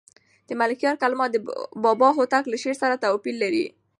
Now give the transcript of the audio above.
د ملکیار کلمات د بابا هوتک له شعر سره توپیر لري.